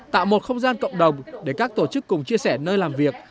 tạo một không gian cộng đồng để các tổ chức cùng chia sẻ nơi làm việc